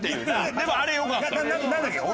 でもあれ良かったよ。